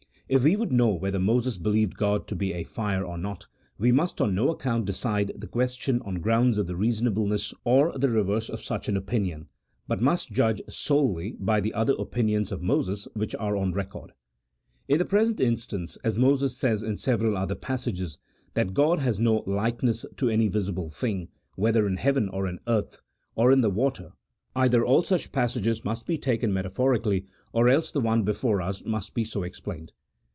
If we would know whether Moses believed God to be a fire or not, we must on no account decide the question on grounds of the reasonableness or the reverse of such an opinion, but must judge solely by the other opinions of Moses which are on record. In the present instance, as Moses says in several other passages that God has no likeness to any visible thing, whether in heaven or in earth, or in the water, either all such passages must be taken metaphorically, or else the one before us must be so explained.